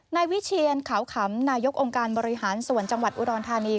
นายวิเชียนขาวขำนายกองค์การบริหารส่วนจังหวัดอุดรธานี